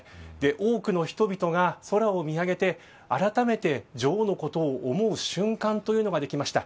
多くの人々が空を見上げてあらためて女王のことを思う瞬間というのができました。